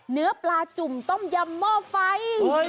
เนื้อปลาจุ่มต้มยำหม้อไฟ